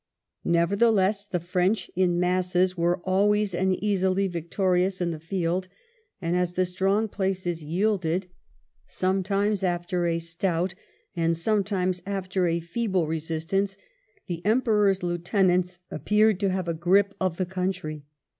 Nevertheless the French in masses were always and easily victorious in the field, and as the strong places yielded, sometimes VII HIS DIFFICULTIES AND FIRMNESS 131 after a stout and sometimes after a feeble resistance, the Emperor's lieutenants appeared to have a grip of the country.